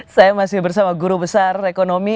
saya masih bersama guru besar ekonomi